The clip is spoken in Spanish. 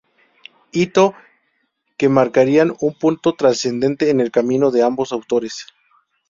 Hito que marcaría un punto trascendente en el camino de ambos autores.